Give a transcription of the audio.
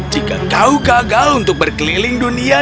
jika kau gagal untuk berkeliling dunia